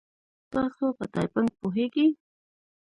تاسو په ټایپینګ پوهیږئ؟